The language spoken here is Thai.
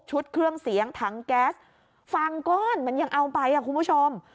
เครื่องเสียงถังแก๊สฟังก้อนมันยังเอาไปอ่ะคุณผู้ชม